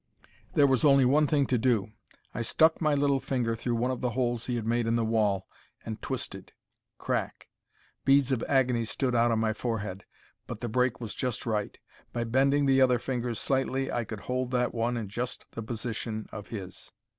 There was only one thing to do. I stuck my little finger through one of the holes he had made in the wall and twisted. Crack! Beads of agony stood out on my forehead, but the break was just right. By bending the other fingers slightly I could hold that one in just the position of his.